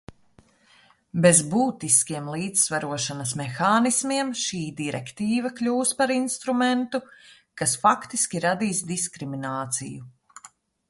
Bez būtiskiem līdzsvarošanas mehānismiem šī direktīva kļūs par instrumentu, kas faktiski radīs diskrimināciju.